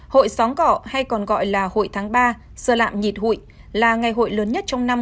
hội sóng cọ hay còn gọi là hội tháng ba sơ lạm nhịt hụi là ngày hội lớn nhất trong năm